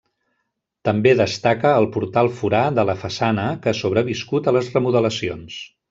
També destaca el portal forà de la façana que ha sobreviscut a les remodelacions.